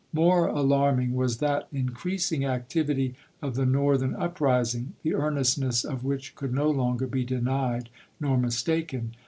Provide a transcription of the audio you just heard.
More alarming was that increasing activity of the Northern up rising, the earnestness of which could no longer be denied nor mistaken.